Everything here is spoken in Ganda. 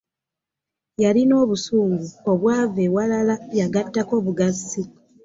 Yalina obusubgu obwava ewalala yagattako bugassi.